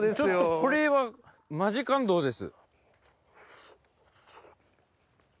これはマジ感動です。